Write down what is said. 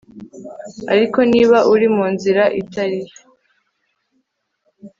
ariko niba uri munzira itari yo